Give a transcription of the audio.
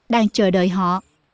đang chờ đợi họ